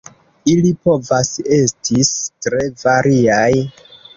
Ili povas estis tre variaj.